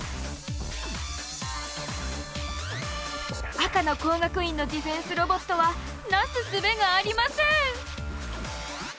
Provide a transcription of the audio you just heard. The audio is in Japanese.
赤の工学院のディフェンスロボットはなすすべがありません。